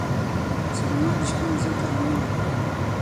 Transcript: سپوږمۍ د شپې مزل ته رڼا ورکوي